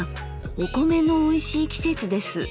お米のおいしい季節です。